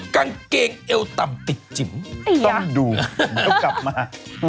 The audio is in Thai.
กางเกงเอวต่ำติดจิ๋มต้องดูเดี๋ยวกลับมา